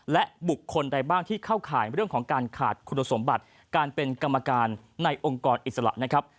และบุคคลใดบ้างที่เข้าข่ายเรื่องของการขาดคุณสมบัติการเป็นกรรมการในองค์กรอิสระนะครับ